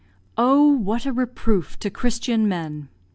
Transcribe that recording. Oh, what a reproof to Christian men!